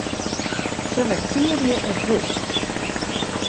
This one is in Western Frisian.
Selektearje it wurd.